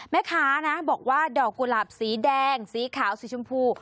แม่ค้านะบอกว่าดอกกุหลาบสีแดงสีขาวสีชมพู